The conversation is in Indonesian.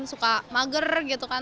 suka mager gitu kan